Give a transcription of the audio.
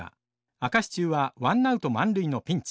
明石中はワンナウト満塁のピンチ。